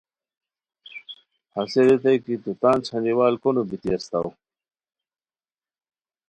ہسے ریتائے کی تو تان چھانی وال کو نو بیتی استاؤ